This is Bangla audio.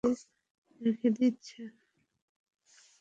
মেই পান্ডাকে রেখে দিচ্ছে?